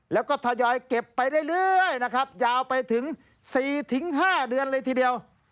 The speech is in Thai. แล้วก็ทยอยเก็บไปได้เลยนะครับยาวไปถึงสี่ถึงห้าเดือนเลยทีเดียว